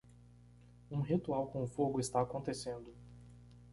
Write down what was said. Um ritual com fogo está acontecendo.